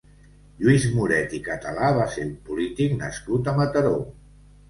Lluís Moret i Català va ser un polític nascut a Mataró.